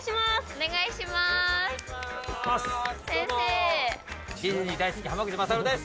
お願いします。